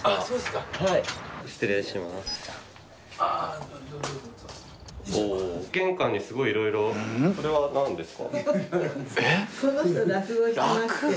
そうなんですか。